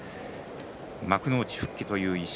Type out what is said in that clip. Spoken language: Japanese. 幕内復帰という意志